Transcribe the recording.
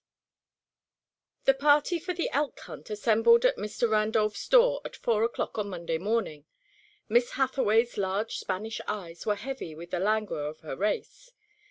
V The party for the elk hunt assembled at Mr. Randolph's door at four o'clock on Monday morning. Miss Hathaway's large Spanish eyes were heavy with the languor of her race.